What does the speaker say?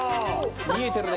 見えてるね。